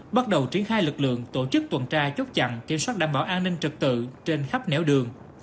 bắt đầu triển khai lực lượng tổ chức tuần tra chốt chặn kiểm soát đảm bảo an ninh trật tự trên khắp nẻo đường